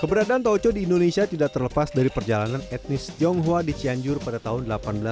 keberadaan taoco di indonesia tidak terlepas dari perjalanan etnis tionghoa di cianjur pada tahun seribu delapan ratus sembilan puluh